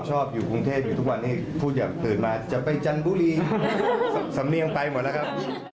ชอบอยู่กรุงเทพอยู่ทุกวันนี้พูดอยากตื่นมาจะไปจันทบุรีสำเนียงไปหมดแล้วครับ